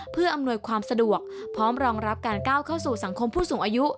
เพื่ออำนวยความสะดวกพร้อมรองรับการก้าวเข้าสู่สังคมผู้สูงอายุ